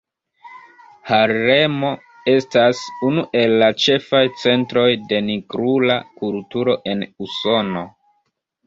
Harlemo estas unu el la ĉefaj centroj de nigrula kulturo en Usono.